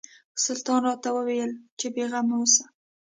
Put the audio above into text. سلطان راته وویل چې بېغمه اوسه.